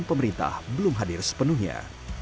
pemerintah belum hadir sepenuhnya